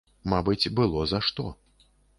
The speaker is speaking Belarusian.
Мабыць, было за што.